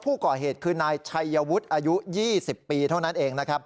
ผู้ก่อเหตุคือนายชัยวุฒิอายุ๒๐ปีเท่านั้นเองนะครับ